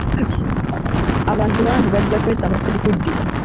Abantu bangi bajja kwetaba ku bikujjuko.